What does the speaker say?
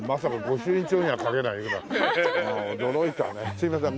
すいません。